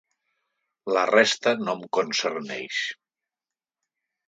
La resta no em concerneix.